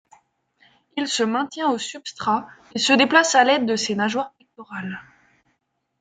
Il se maintient au substrat et se déplace à l'aide de ses nageoires pectorales.